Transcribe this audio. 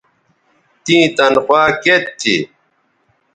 تیں تنخوا کیئت تھی